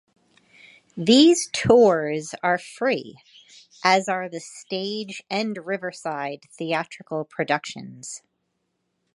These tours are free, as are the stage and riverside theatrical productions.